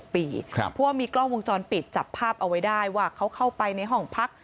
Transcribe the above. เพราะว่ามีกล้องวงจรปิดจับภาพเอาไว้ได้ว่าเขาเข้าไปในห้องพัก